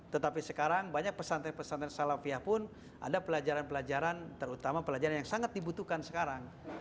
tetapi sekarang banyak pesantren pesantren salafiah pun ada pelajaran pelajaran terutama pelajaran yang sangat dibutuhkan sekarang